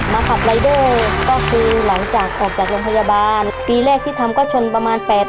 ขับรายเดอร์ก็คือหลังจากออกจากโรงพยาบาลปีแรกที่ทำก็ชนประมาณ๘๐